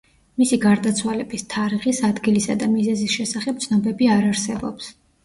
მისი გარდაცვალების თარიღის, ადგილისა და მიზეზის შესახებ ცნობები არ არსებობს.